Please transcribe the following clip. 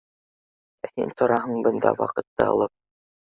Ә һин тораһың бында, ваҡытты алып.